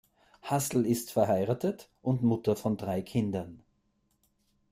Hassel ist verheiratet und Mutter von drei Kindern.